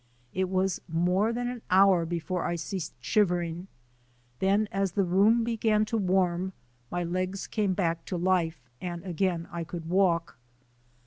It was more than an hour before I ceased shivering; then, as the room began to warm, my legs came back to life and again I could walk.